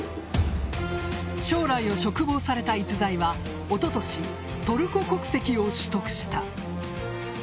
将来を嘱望された逸材は一昨年、トルコ国籍を取得した。